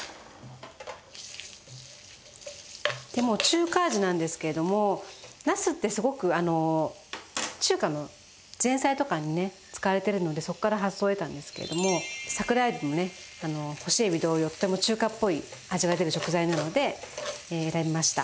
でもう中華味なんですけれどもなすってすごくあの中華の前菜とかにね使われてるのでそこから発想を得たんですけれども桜海老もね干し海老同様とても中華っぽい味が出る食材なので選びました。